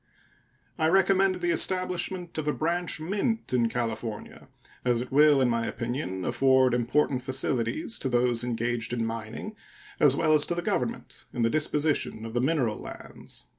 I recommend the establishment of a branch mint in California, as it will, in my opinion, afford important facilities to those engaged in mining, as well as to the Government in the disposition of the mineral lands.